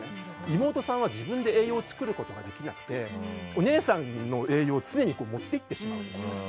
妹さんは自分で栄養を作ることができなくてお姉さんの栄養を常に持って行ってしまうんです。